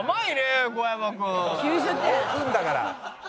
組んだから。